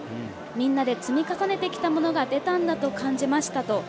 みんなで積み重ねてきたものが出たんだと感じましたと。